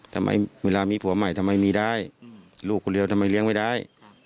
ทำไมเวลามีผัวใหม่ทำไมมีได้ลูกคนเดียวทำไมเลี้ยงไม่ได้